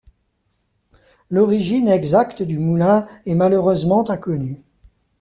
L'origine exacte du moulin est malheureusement inconnue.